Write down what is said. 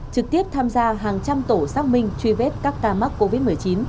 trực tiếp tham gia hàng trăm tổ xác minh truy vết các ca mắc covid một mươi chín